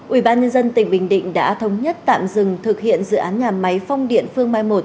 ubnd tỉnh bình định đã thống nhất tạm dừng thực hiện dự án nhà máy phong điện phương mai một